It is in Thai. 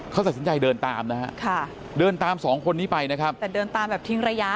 เขาตัดสินใจเดินตามนะฮะค่ะเดินตามสองคนนี้ไปนะครับแต่เดินตามแบบทิ้งระยะ